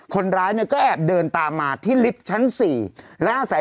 คนร้ายเนี่ยก็แอบเดินตามมาที่ลิฟท์ชั้น๔และอาศัย